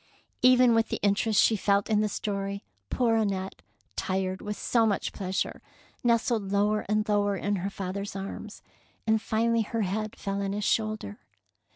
Even with the interest she felt in the story, poor Annette, tired with so much 188 THE PEAKL NECKLACE pleasure, nestled lower and lower in her father's arms, and finally her head fell on his shoulder.